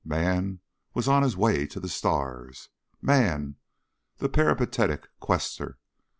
Man was on his way to the stars. MAN the peripatetic quester.